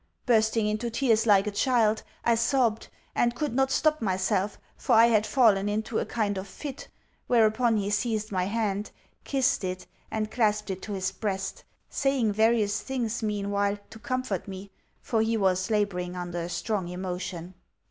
Bursting into tears like a child, I sobbed, and could not stop myself, for I had fallen into a kind of fit; whereupon he seized my hand, kissed it, and clasped it to his breast saying various things, meanwhile, to comfort me, for he was labouring under a strong emotion.